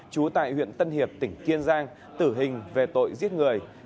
trú tại huyện tân hiệp tỉnh kiên giang tử hình về tội giết người